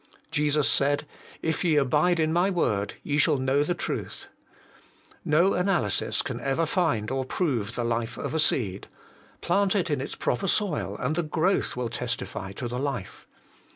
Jesus said, ' If ye abide in my word, ye shall know the truth.' No analysis can ever find or prove the life of a seed : plant it in its proper soil, and the growth will testify to the life.